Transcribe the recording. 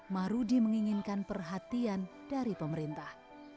mahrudi menginginkan perhatian dari pemerintah